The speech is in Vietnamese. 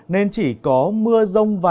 nên chỉ có mưa rông vài đêm